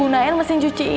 pernah aja aku ini ditutupi